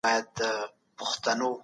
زرکه 🐤